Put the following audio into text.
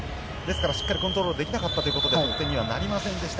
しっかりコントロールできなかったということで得点にはなりませんでした。